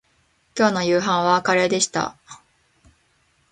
きょうの夕飯はカレーでした